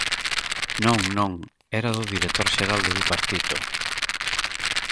Non, non, era do director xeral do Bipartito.